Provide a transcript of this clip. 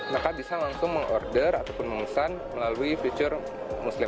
maka bisa langsung meng order ataupun memesan melalui fitur muslim